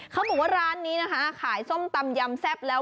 เขาบอกว่าร้านนี้นะคะขายส้มตำยำแซ่บแล้ว